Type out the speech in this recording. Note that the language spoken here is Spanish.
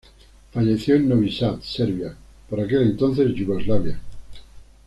Falleció en Novi Sad, Serbia, por aquel entonces Yugoslavia.